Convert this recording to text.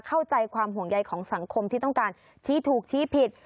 เข้าใจความห่วงใยของสังคมที่ต้องการชี้ถูกชี้ผิด